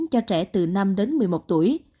cho trẻ từ năm đến một mươi một tuổi